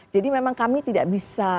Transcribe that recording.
jadi memang kami tidak bisa membatasi